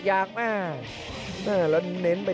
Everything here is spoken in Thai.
ดาบดำเล่นงานบนเวลาตัวด้วยหันขวา